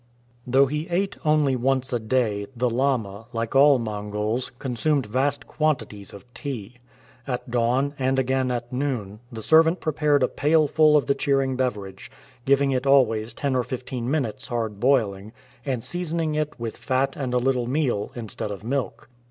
Though he ate only once a day, the lama, like all Mongols, consumed vast quantities of tea. At dawn, and again at noon, the servant prepared a pailful of the cheering beverage, giving it always ten or fifteen minutes'* hard boiling, and seasoning it with fat and a little meal instead of milk.